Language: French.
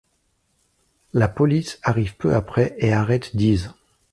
La police arrive peu après et arrête Dees.